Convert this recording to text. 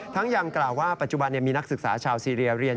ยังกล่าวว่าปัจจุบันมีนักศึกษาชาวซีเรียเรียน